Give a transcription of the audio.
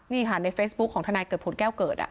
นี่ค่ะในเฟซบุ๊คของทนายเกิดผลแก้วเกิด